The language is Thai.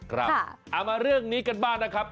เอามาเรื่องนี้กันบ้างนะครับ